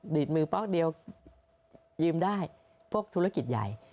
ดีดมือแป๊บเดียวยืมได้พวกธุรกิจใหญ่